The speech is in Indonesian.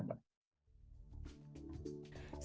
dan menjaga kemampuan jurnalis tersebut